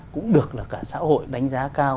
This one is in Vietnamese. cũng được là cả xã hội đánh giá cao